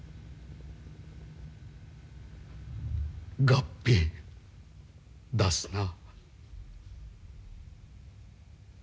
合併だすな。